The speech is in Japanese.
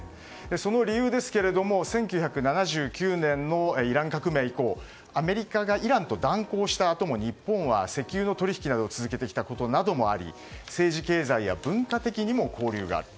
その理由ですが、１９７９年のイラン革命以降、アメリカがイランと断交したあとも日本は石油の取引などを続けてきたこともあり政治経済や文化的にも交流がある。